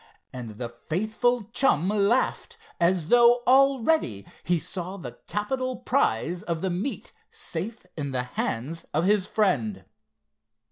and the faithful chum laughed, as though already he saw the capital prize of the meet safe in the hands of his friend.